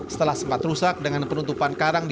setelah sempat rusak dengan penutupan karang